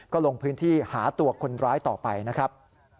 ก็ลงพื้นที่หาตัวคนร้ายต่อไปนะครับ